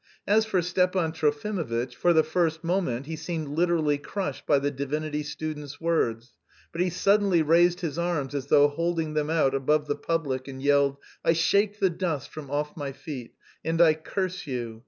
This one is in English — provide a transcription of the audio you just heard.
As for Stepan Trofimovitch, for the first moment he seemed literally crushed by the divinity student's words, but he suddenly raised his arms as though holding them out above the public and yelled: "I shake the dust from off my feet and I curse you....